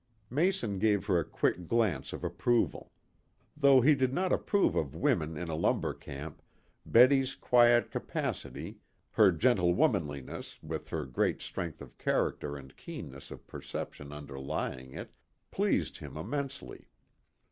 Mason gave her a quick glance of approval. Though he did not approve of women in a lumber camp, Betty's quiet capacity, her gentle womanliness, with her great strength of character and keenness of perception underlying it, pleased him immensely.